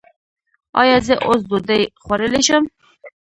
ایا زه اوس ډوډۍ خوړلی شم؟